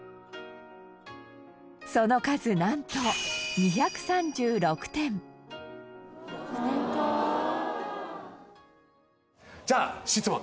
その数、なんと２３６点じゃあ、質問！